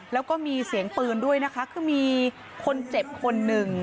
แล้วก็มีเสียงปืนด้วยนะคะคือมีคนเจ็บคนหนึ่ง